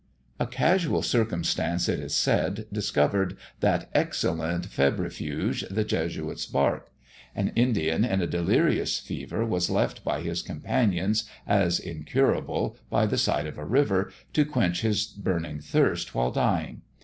A casual circumstance, it is said, discovered that excellent febrifuge, the Jesuit's Bark. An Indian in a delirious fever was left by his companions, as incurable, by the side of a river, to quench his burning thirst while dying.